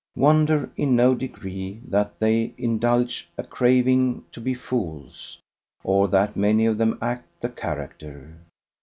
Wonder in no degree that they indulge a craving to be fools, or that many of them act the character.